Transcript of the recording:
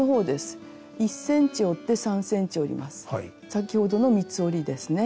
先ほどの三つ折りですね。